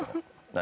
「何？」